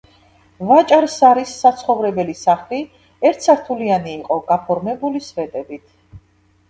ვაჭარ სარის საცხოვრებელი სახლი ერთსართულიანი იყო, გაფორმებული სვეტებით.